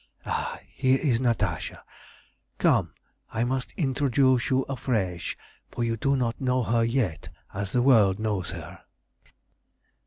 Ah, here is Natasha. Come, I must introduce you afresh, for you do not know her yet as the world knows her."